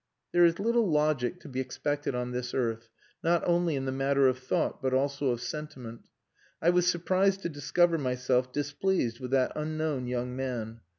There is little logic to be expected on this earth, not only in the matter of thought, but also of sentiment. I was surprised to discover myself displeased with that unknown young man.